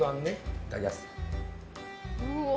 いただきます。